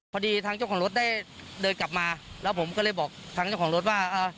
พอดีทางเจ้าของรถได้เดินกลับมาแล้วผมก็เลยบอกทางเจ้าของรถว่า